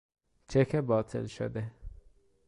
چک باطل شده